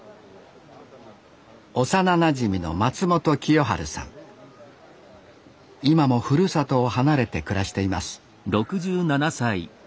幼なじみの今もふるさとを離れて暮らしています